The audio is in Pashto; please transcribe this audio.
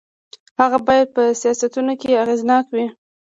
هغه باید په سیاستونو کې اغېزناک وي.